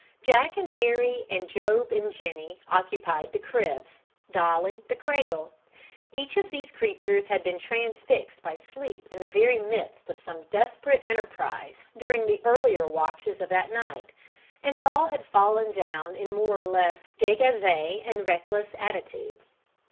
Jack and Harry and Job and Jenny occupied the cribs, Dolly the cradle. Each of these creatures had been transfixed by sleep in the very midst of some desperate enterprise during the earlier watches of that night, and all had fallen down in more or less degage and reckless attitudes.